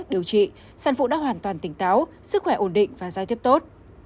điều trị sản phụ đã hoàn toàn tỉnh táo sức khỏe ổn định và giao tiếp tốt